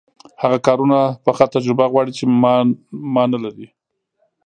هغه کارونه پخه تجربه غواړي چې ما نلري.